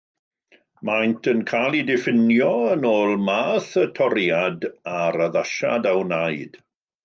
Maent yn cael eu diffinio yn ôl math y toriad a'r addasiad a wnaed.